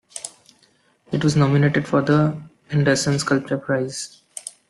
It was nominated for the Anderson Sculpture Prize.